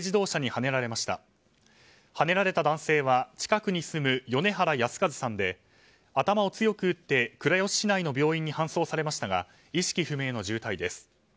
はねられた男性は近くに住む、米原保一さんで頭を強く打って倉吉市内の病院に搬送されましたが意識不明の重体です。